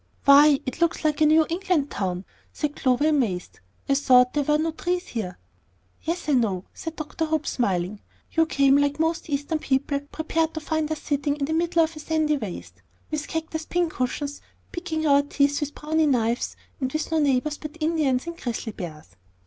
"Why, it looks like a New England town," said Clover, amazed; "I thought there were no trees here." "Yes, I know," said Dr. Hope smiling. "You came, like most Eastern people, prepared to find us sitting in the middle of a sandy waste, on cactus pincushions, picking our teeth with bowie knives, and with no neighbors but Indians and grizzly bears.